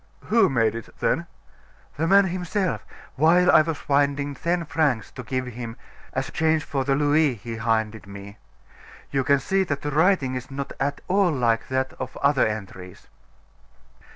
"Who made it, then?" "The man himself, while I was finding ten francs to give him as change for the louis he handed me. You can see that the writing is not at all like that of other entries."